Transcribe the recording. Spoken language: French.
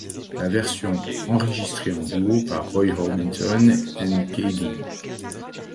La version enregistrée en duo par Roy Orbison et k.d.